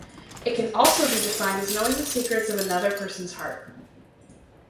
It can also be defined as knowing the secrets of another person's heart.